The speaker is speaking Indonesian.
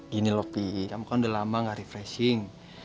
gini lho opi kamu kan udah lama gak refreshing